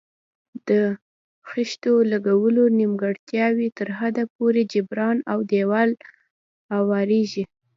د خښتو لګولو نیمګړتیاوې تر حده پورې جبران او دېوال اواریږي.